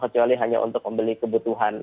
kecuali hanya untuk membeli kebutuhan